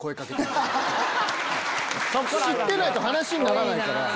知ってないと話にならないから。